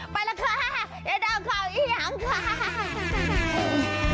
ไปล่ะค่ะอย่าเอาความอิหยังค่ะ